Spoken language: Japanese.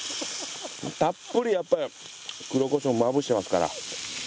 たっぷりやっぱり黒コショウをまぶしてますから。